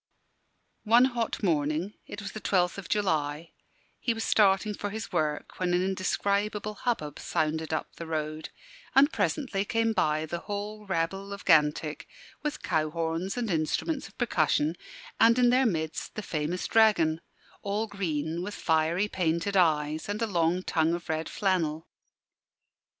One hot morning it was the 12th of July he was starting for his work when an indescribable hubbub sounded up the road, and presently came by the whole rabble of Gantick with cow horns and instruments of percussion, and in their midst the famous dragon all green, with fiery, painted eyes, and a long tongue of red flannel.